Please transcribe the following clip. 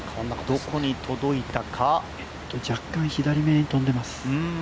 どこに届いたか若干、左に飛んでいます。